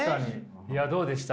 いやどうでした？